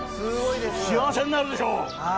幸せになるでしょ。